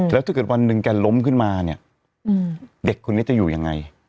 แล้วถ้าเกิดวันหนึ่งแกล้มขึ้นมาเนี่ยเด็กคนนี้จะอยู่ยังไง